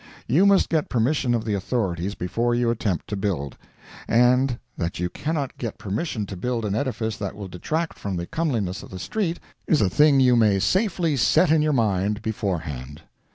You must get permission of the authorities before you attempt to build—and that you cannot get permission to build an edifice that will detract from the comeliness of the street, is a thing you may safely set in your mind beforehand.